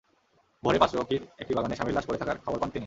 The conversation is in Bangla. ভোরে পাঁচরকির একটি বাগানে স্বামীর লাশ পড়ে থাকার খবর পান তিনি।